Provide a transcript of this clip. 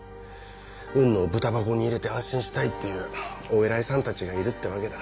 雲野をブタ箱に入れて安心したいっていうお偉いさんたちがいるってわけだ。